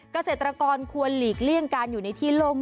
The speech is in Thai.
เกษตรกรควรหลีกเลี่ยงการอยู่ในที่โล่ง